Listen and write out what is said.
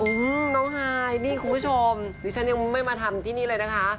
อืมน้องฮายนี่คุณผู้ชมดิฉันยังไม่มาทำที่นี่เลยนะคะ